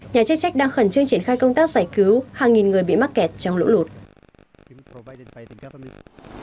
nhà chức trách đang khẩn trương triển khai công tác giải cứu hàng nghìn người bị mắc kẹt trong lũ lụt